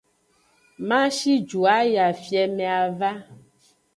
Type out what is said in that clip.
Ma shi ju ayi afieme ava.